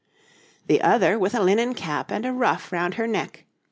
The other with a linen cap and a ruff round her neck Judy.